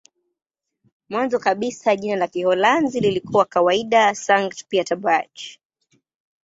Mwanzoni kabisa jina la Kiholanzi lilikuwa kawaida "Sankt-Pieterburch".